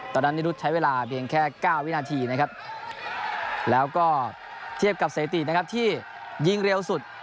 นิรุธใช้เวลาเพียงแค่๙วินาทีนะครับแล้วก็เทียบกับสถิตินะครับที่ยิงเร็วสุด